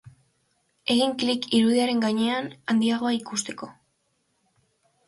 Egin klik irudiaren gainean handiagoa ikusteko.